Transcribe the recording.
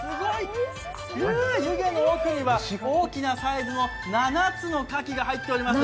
湯気の奥には大きなサイズの７つの牡蠣が入っております。